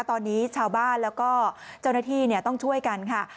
ตอนนี้ชาวบ้านแล้วก็เจ้าหน้าที่ต้องช่วยกันค่ะ